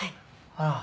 ああ。